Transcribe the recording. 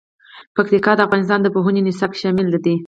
پکتیکا د افغانستان د پوهنې نصاب کې شامل دي.